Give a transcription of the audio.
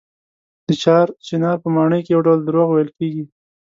د چار چنار په ماڼۍ کې یو ډول درواغ ویل کېږي.